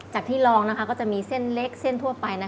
ที่ลองก็จะมีเส้นเล็กเส้นทั่วไป